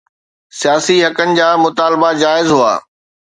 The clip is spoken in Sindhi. سياسي حقن جا مطالبا جائز هئا